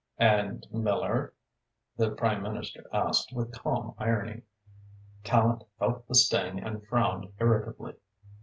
"And Miller?" the Prime Minister asked, with calm irony. Tallente felt the sting and frowned irritably.